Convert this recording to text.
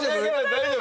大丈夫？